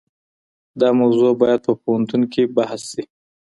دا موضوع بايد په پوهنتون کي بحث سي.